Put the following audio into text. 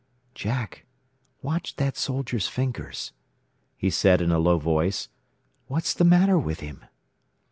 "Jack, watch that soldier's fingers," he said in a low voice. "What's the matter with him?"